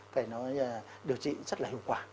phải nói điều trị rất là hiệu quả